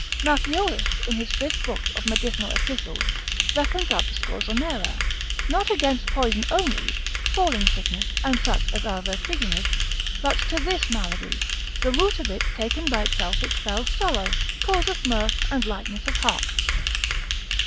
Mathiolus, in his fifth book of Medicinal Epistles, reckons up scorzonera, not against poison only, falling sickness, and such as are vertiginous, but to this malady; the root of it taken by itself expels sorrow, causeth mirth and lightness of heart.